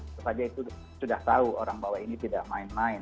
itu saja itu sudah tahu orang bahwa ini tidak main main